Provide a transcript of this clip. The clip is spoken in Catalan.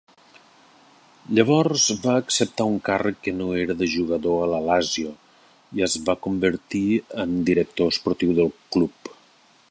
Llavors va acceptar un càrrec que no era de jugador a la Lazio i es va convertir en director esportiu del club.